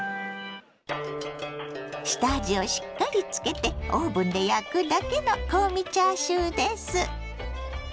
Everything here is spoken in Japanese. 下味をしっかりつけてオーブンで焼くだけの香味チャーシューです。